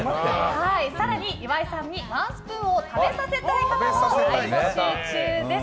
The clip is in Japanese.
更に、岩井さんにワンスプーンを食べさせたい方も大募集中です。